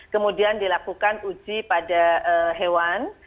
kemudian dilakukan uji pada hewan